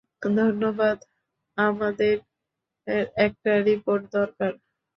ধন্যবাদ - আমাদের একটা রিপোর্ট দরকার।